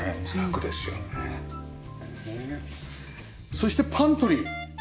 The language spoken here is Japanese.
そしてパントリー。